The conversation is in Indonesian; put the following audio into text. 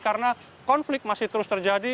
karena konflik masih terus terjadi